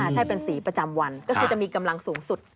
ใช่เป็นสีประจำวันก็คือจะมีกำลังสูงสุด